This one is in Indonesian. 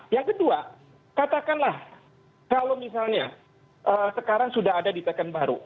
yang kedua katakanlah kalau misalnya sekarang sudah ada di second baru